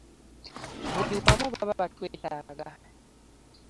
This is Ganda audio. Buli wamu baba batwetaaga.